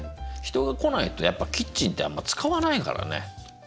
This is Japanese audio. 人が来ないとやっぱキッチンってあんま使わないからね。